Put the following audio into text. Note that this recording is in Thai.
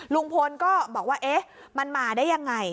ลุงพลก็บอกว่าเอ๊ะมันมาได้ยังไง